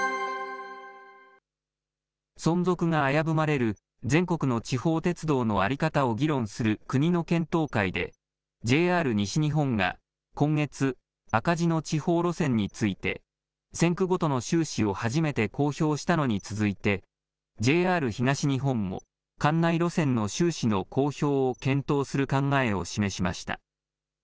存続が危ぶまれる全国の地方鉄道の在り方を議論する国の検討会で、ＪＲ西日本が今月、赤字の地方路線について、線区ごとの収支を初めて公表したのに続いて、ＪＲ東日本も管内路線の収支の公表を検討する考えを示しました。